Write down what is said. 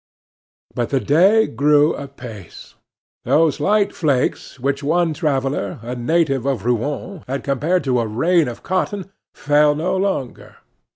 But the day grew apace. Those light flakes which one traveller, a native of Rouen, had compared to a rain of cotton fell no longer.